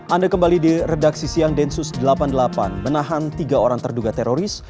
anda kembali di redaksi siang densus delapan puluh delapan menahan tiga orang terduga teroris